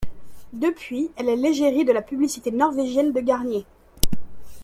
Depuis, elle est l'égérie de la publicité norvégienne de Garnier.